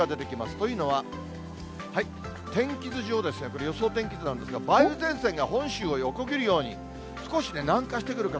というのは、天気図上、これ予想天気図なんですが、梅雨前線が本州を横切るように、少しね、南下してくる形。